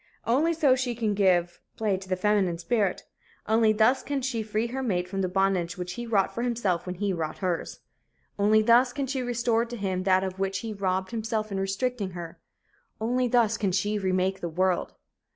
Only so can she give play to the feminine spirit. Only thus can she free her mate from the bondage which he wrought for himself when he wrought hers. Only thus can she restore to him that of which he robbed himself in restricting her. Only thus can she remake the world.